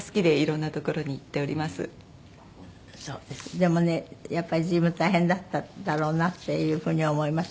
でもねやっぱり随分大変だったんだろうなっていう風には思います。